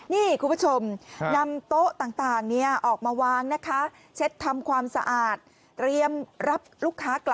นี่คุณผู้ชมนำโต๊ะต่างนี่ออกมาวางนะคะ